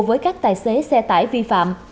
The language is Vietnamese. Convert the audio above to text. với các tài xế xe tải vi phạm